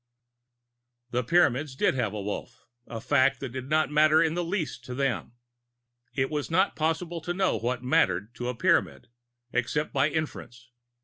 The Pyramids did have a Wolf a fact which did not matter in the least to them. It is not possible to know what "mattered" to a Pyramid except by inference.